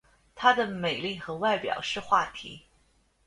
她的美丽和外表是话题。